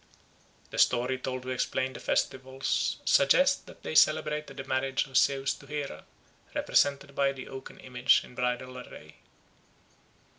The story told to explain the festivals suggests that they celebrated the marriage of Zeus to Hera, represented by the oaken image in bridal array.